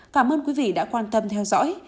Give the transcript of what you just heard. cảm ơn quý vị đã quan tâm theo dõi